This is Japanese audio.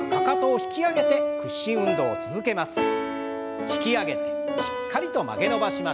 引き上げてしっかりと曲げ伸ばしましょう。